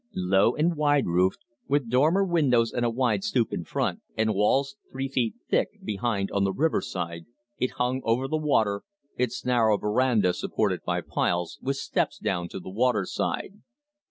Low and wide roofed, with dormer windows and a wide stoop in front, and walls three feet thick, behind, on the river side, it hung over the water, its narrow veranda supported by piles, with steps down to the water side.